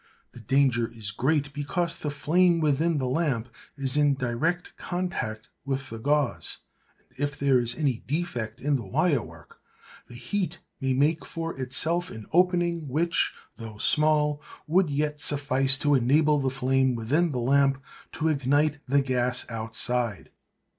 The danger is great because the flame within the lamp is in direct contact with the gauze, and if there is any defect in the wire work, the heat may make for itself an opening which—though small—would yet suffice to enable the flame within the lamp to ignite the gas outside.